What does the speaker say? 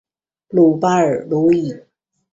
里巴尔鲁伊。